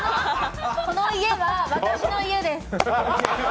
この家は私の家です。